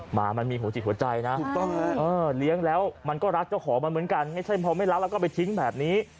หมามันมีหัวจิตหัวใจนะถูกต้องเลี้ยงแล้วมันก็รักเจ้าของมันเหมือนกันไม่ใช่พอไม่รักแล้วก็ไปทิ้งแบบนี้